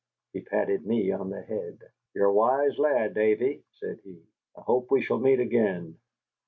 He patted me on the head. "You're a wise lad, Davy," said he. "I hope we shall meet again."